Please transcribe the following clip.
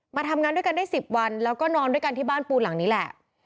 มาทำงานด้วยกันได้๑๐วันแล้วก็นอนด้วยกันที่บ้านปูนหลังนี้แหละ